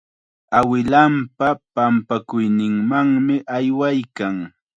Awilanpa pampakuyninmanmi aywaykan.